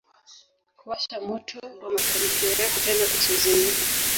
kuwasha moto wa mafanikio yako tena usiozimika